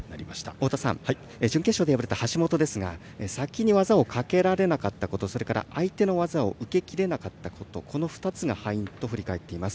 太田さん、準決勝で敗れた橋本ですが先に技をかけられなかったことそれから相手の技を受け切れなかったことこの２つが敗因と振り返っています。